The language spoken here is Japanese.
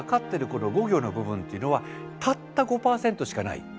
この５行の部分というのはたった５％しかない。